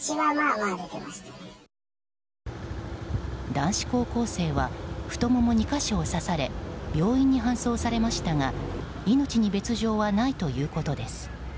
男子高校生は太もも２か所を刺され病院に搬送されましたが命に別条はないということです。